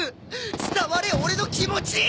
伝われオレの気持ち！